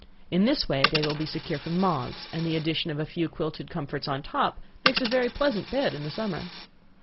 In this way they will be secure from moths, and the addition of a few quilted comforts on the top, makes a very pleasant bed in summer.